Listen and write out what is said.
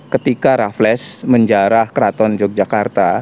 ketika raffles menjarah keraton yogyakarta